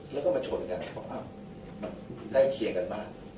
แล้วก็มาชนกันมันใกล้เคียงกันมาก